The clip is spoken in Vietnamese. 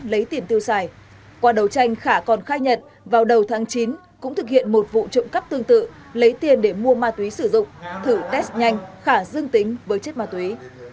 lấy tiền tiêu xài qua đầu tranh khà còn khai nhận vào đầu tháng chín cũng thực hiện một vụ trộm cắp tương tự lấy tiền để mua ma túy sử dụng thử test nhanh khà dương tính với chất ma túy